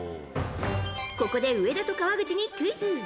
ここで上田と川口にクイズ。